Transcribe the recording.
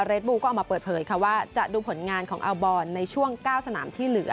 ก็ออกมาเปิดเผยค่ะว่าจะดูผลงานของในช่วงเก้าสนามที่เหลือ